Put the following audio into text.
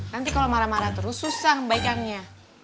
nanti kalau marah marah terus susah membaikkannya